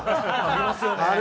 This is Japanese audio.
ありますよね。